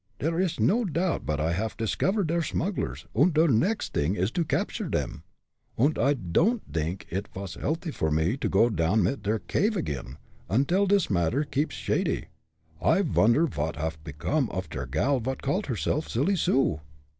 Der ish no doubt but I haff discovered der smugglers, und der next t'ing is to cabture dem. Und I don'd dink id vas healthy for me to go down mit der cave again, undil dis matter keeps shady. I vonder vot haff pecome off der gal vot called herself Silly Sue?"